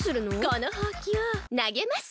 このほうきをなげます！